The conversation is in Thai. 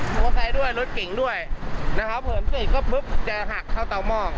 มอเตอร์ไซค์ด้วยรถกิ่งด้วยนะครับเหินเสร็จก็ปึ๊บจะหักเข้าต่อหม้อ